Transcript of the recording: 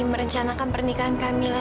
merencanakan pernikahan kamila